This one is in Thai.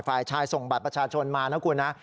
ฝ่ายชายส่งบัตรประชาชนมานะคุณนะ